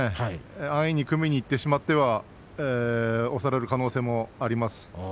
安易に組みにいってしまっては押される可能性もあります。